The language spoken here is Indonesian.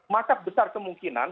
maka besar kemungkinan